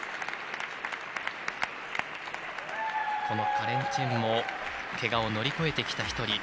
このカレン・チェンもけがを乗り越えてきた一人。